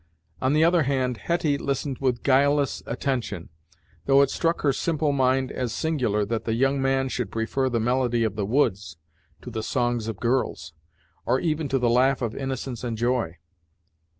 On the other hand Hetty listened with guileless attention, though it struck her simple mind as singular that the young man should prefer the melody of the woods, to the songs of girls, or even to the laugh of innocence and joy.